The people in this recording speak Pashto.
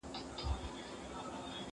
زه له سهاره موسيقي اورم!